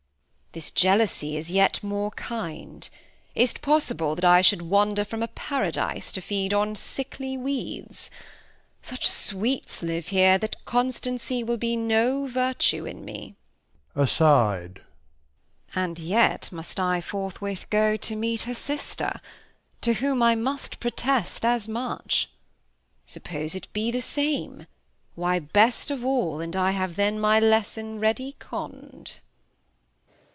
Bast. This Jealousy is yet more kind, is't possible That I should wander from a Paradise To feed on sickly Weeds ? Such Sweets live here That Constancy will be no Vertue in me : And yet must I forthwith go meet her Sister, [Aside. To whom, I must protest as much, Suppose it be the same ; why, best of aU, And I have then my Lesson already conn'd. Reg.